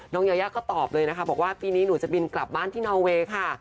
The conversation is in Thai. ยายาก็ตอบเลยนะคะบอกว่าปีนี้หนูจะบินกลับบ้านที่นอเวย์ค่ะ